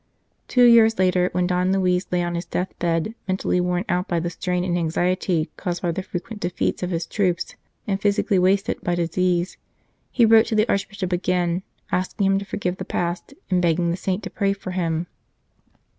Two years later, when Don Luis lay on his death bed mentally worn out by the strain and anxiety caused by the frequent defeats of his troops, and physically wasted by disease, he wrote to the Archbishop again, asking him to forgive the past, and begging the saint to pray for him.